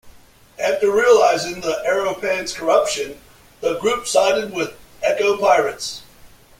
After realizing the Aeropan's corruption, the group sided with the Eco Pirates.